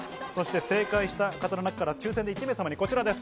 正解した方の中から抽選で１名様にこちらです。